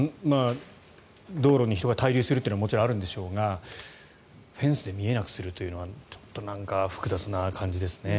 道路に人が滞留するっていうのはもちろんあるんでしょうがフェンスで見えなくするというのはちょっと複雑な感じですね。